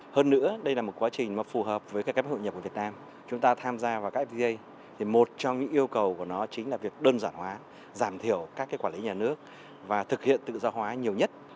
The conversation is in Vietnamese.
hơn nữa đây là một quá trình mà phù hợp với các hội nhập của việt nam chúng ta tham gia vào các fta thì một trong những yêu cầu của nó chính là việc đơn giản hóa giảm thiểu các cái quản lý nhà nước và thực hiện tự do hóa nhiều nhất